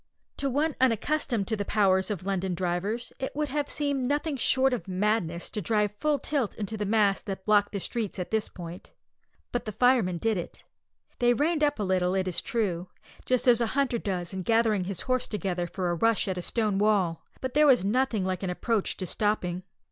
To one unaccustomed to the powers of London drivers, it would have seemed nothing short of madness to drive full tilt into the mass that blocked the streets at this point. But the firemen did it. They reined up a little, it is true, just as a hunter does in gathering his horse together for a rush at a stone wall, but there was nothing like an approach to stopping.